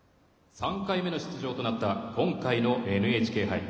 ３回目の出場となった今回のＮＨＫ杯。